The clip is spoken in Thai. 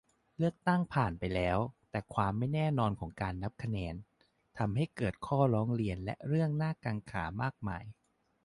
เลือกตั้งผ่านไปแล้ว แต่ความไม่แน่นอนของการนับคะแนนทำให้เกิดข้อร้องเรียน และเรื่องน่ากังขามากมาย